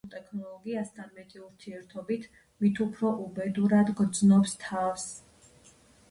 ციფრულ ტექნოლოგიასთან მეტი ურთიერთობით, მით უფრო უბედურად გრძნობენ თავს.